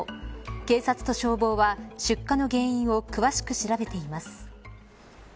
警察と消防は出火の原因を詳しく調べています。